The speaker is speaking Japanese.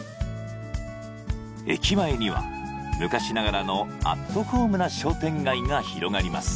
駅前には昔ながらのアットホームな商店街が広がります